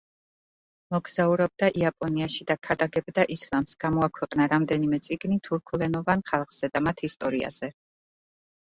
მოგზაურობდა იაპონიაში და ქადაგებდა ისლამს, გამოაქვეყნა რამდენიმე წიგნი თურქულენოვან ხალხზე და მათ ისტორიაზე.